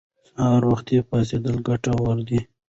سهار وختي پاڅېدل ګټور دي.